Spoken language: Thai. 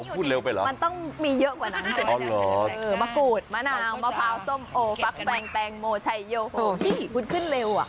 มะกรูดมะนาวมะพร้าวส้มโอฟักแฟงแตงโมไทโยโหคุดขึ้นเร็ว